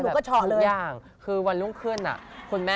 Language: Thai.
ตอนนั้นมีนมหรือยัง